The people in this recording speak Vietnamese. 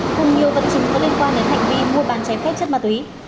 cùng nhiều vật chứng có liên quan đến hành vi mua bán chém khép chất ma túy